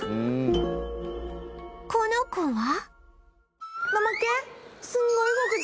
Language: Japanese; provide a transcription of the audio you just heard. この子は